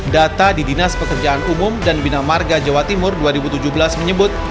data di dinas pekerjaan umum dan bina marga jawa timur dua ribu tujuh belas menyebut